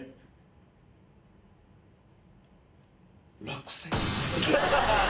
落選。